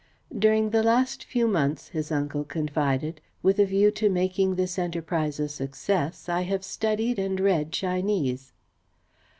"During the last few months," his uncle confided, "with a view to making this enterprise a success, I have studied and read Chinese."